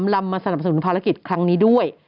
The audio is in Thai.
ลำมาสนับสนุนภารกิจครั้งนี้ด้วย